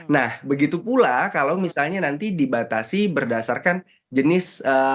nah begitu pula kalau misalnya nanti dibatasi berdasarkan jenis